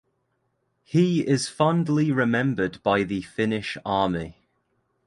He is fondly remembered by the Finnish Army.